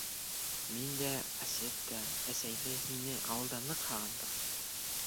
— Мин дә, Асет тә әсәйҙе, һине, ауылды ныҡ һағындыҡ.